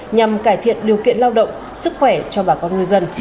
nhằm cải thiện điều kiện lao động sức khỏe cho bà con ngư dân